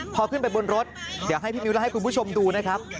พอขึ้นไปบนรถเดี๋ยวให้พี่มิ้วและให้คุณผู้ชมดูนะครับ